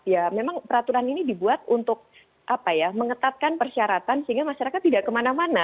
ya memang peraturan ini dibuat untuk mengetatkan persyaratan sehingga masyarakat tidak kemana mana